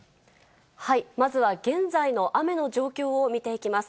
まずは現在の雨の状況を見ていきます。